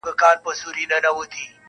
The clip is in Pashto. • لاس یې پوري په علاج کړ د مېرمني -